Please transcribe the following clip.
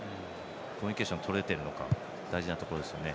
コミュニケーションとれてるのか大事なところですよね。